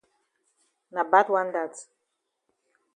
Na bad wan dat.